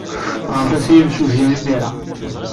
Ɣret-as i yimsujji imir-a.